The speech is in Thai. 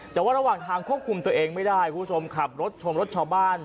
แต่ว่าระหว่างทางควบคุมตัวเองไม่ได้คุณผู้ชมขับรถชมรถชาวบ้าน